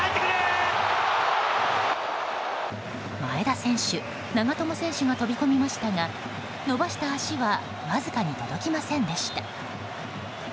前田選手、長友選手が飛び込みましたが伸ばした足はわずかに届きませんでした。